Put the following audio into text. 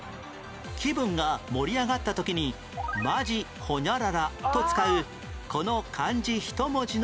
気分が盛り上がった時にマジホニャララと使うこの漢字１文字の言葉は？